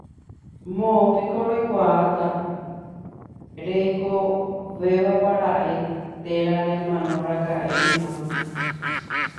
moõpiko roikuaáta reikovevápara'e térã remanoraka'e ymáma